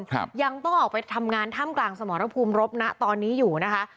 ครับยังต้องออกไปทำงานถ้ำกลางสมรภูมิรบนะตอนนี้อยู่นะคะ